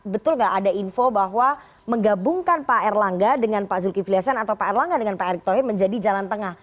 betul nggak ada info bahwa menggabungkan pak erlangga dengan pak zulkifli hasan atau pak erlangga dengan pak erick thohir menjadi jalan tengah